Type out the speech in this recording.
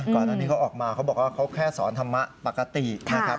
ก่อนอันนี้เขาออกมาเขาบอกว่าเขาแค่สอนธรรมะปกตินะครับ